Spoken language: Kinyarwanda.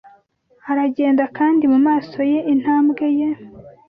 Aragenda, kandi mumaso ye, intambwe ye